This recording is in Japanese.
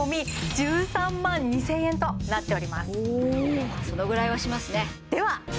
おおそのぐらいはしますね